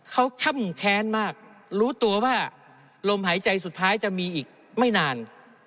เขาช่ำแค้นมากรู้ตัวว่าลมหายใจสุดท้ายจะมีอีกไม่นาน